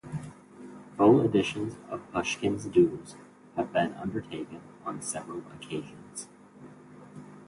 Full editions of Pushkin's doodles have been undertaken on several occasions.